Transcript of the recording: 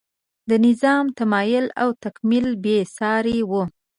د نظام تمایل او تکمیل بې سارۍ و.